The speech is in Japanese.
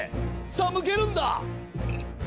さあむけるんだ！